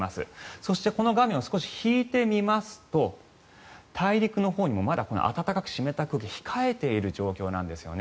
そしてこの画面を引いて見ますと大陸のほうにもまだこの暖かく湿った空気が控えている状況なんですね。